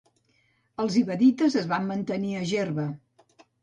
Els ibadites es van mantenir a Gerba.